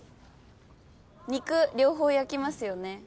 肉両方焼きますよね？